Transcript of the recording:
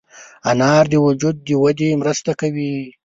انار د وجود د ودې مرسته کوي.